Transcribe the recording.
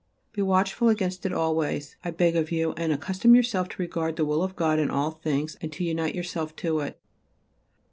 Be watchful against it always, I beg of you, and accustom yourself to regard the will of God in all things and to unite yourself to it.